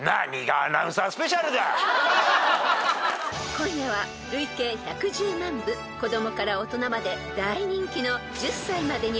［今夜は累計１１０万部子供から大人まで大人気の『１０才までに覚えたい』